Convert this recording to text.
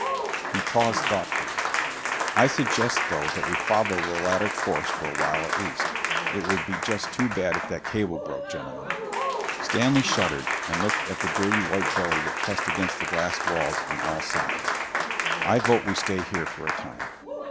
He paused thoughtfully. "I suggest, though, that we follow the latter course for awhile at least. It would be just too bad if that cable broke, gentlemen!" Stanley shuddered, and looked at the dirty white belly that pressed against the glass walls on all sides. "I vote we stay here for a time."